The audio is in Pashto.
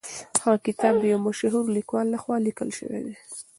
هغه کتاب د یو مشهور لیکوال لخوا لیکل سوی دی.